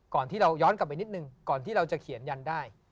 ก่อนที่เราย้อนกลับไปนิดหนึ่งก่อนที่เราจะเขียนยันได้